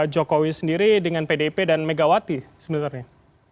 jokowi sendiri dengan pdp dan megawati sebenarnya